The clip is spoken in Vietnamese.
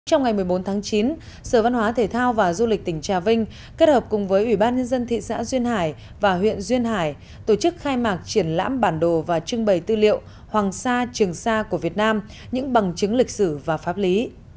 trong ngày một mươi bốn tháng chín sở văn hóa thể thao và du lịch tỉnh trà vinh kết hợp cùng với ủy ban nhân dân thị xã duyên hải và huyện duyên hải tổ chức khai mạc triển lãm bản đồ và trưng bày tư liệu hoàng sa trường sa của việt nam những bằng chứng lịch sử và pháp lý